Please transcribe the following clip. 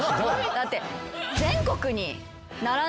だって。